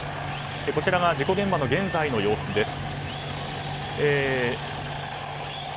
こちらが事故現場の現在の様子です。